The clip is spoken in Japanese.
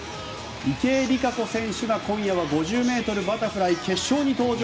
池江璃花子選手が５０ｍバタフライ決勝に登場！